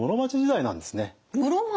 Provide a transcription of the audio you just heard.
室町？